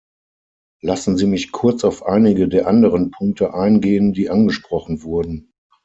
Lassen Sie mich kurz auf einige der anderen Punkte eingehen, die angesprochen wurden.